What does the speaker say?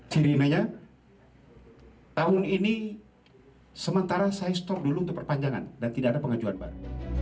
cirinanya tahun ini sementara saya stop dulu untuk perpanjangan dan tidak ada pengajuan baru